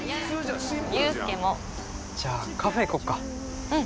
優助もじゃカフェ行こうかうん！